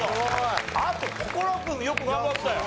あと心君よく頑張ったよ。